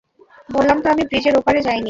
বললাম তো আমি ব্রীজের ওপারে যাইনি।